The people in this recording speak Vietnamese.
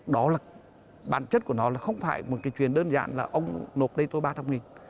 đó là bản chất của nó là không phải một cái chuyện đơn giản là ông nộp đây tôi ba trăm linh nghìn